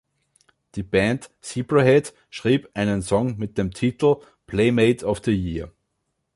Die Band Zebrahead schrieb einen Song mit dem Titel Playmate of the Year.